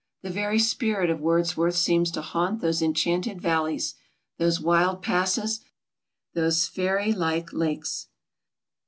The very spirit of Wordsworth seems to haunt those enchanted valleys, those wild passes, those fairy like lakes.